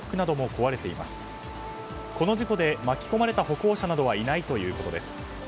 この事故で巻き込まれた歩行者などはいないということです。